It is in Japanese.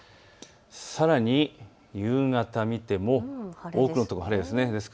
さらに夕方、見ても多くの所、晴れです。